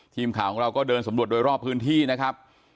ทีมข่าวของเราก็เดินสำรวจโดยรอบพื้นที่นะครับ